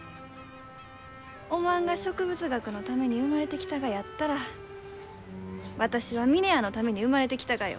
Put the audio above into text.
おまんが植物学のために生まれてきたがやったら私は峰屋のために生まれてきたがよ。